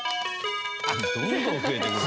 どんどん増えていく。